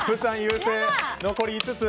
残り５つ。